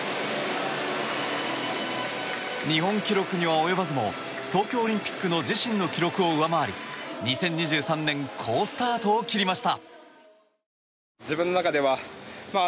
日本記録には及ばずも東京オリンピックの自身の記録を上回り２０２３年好スタートを切りました。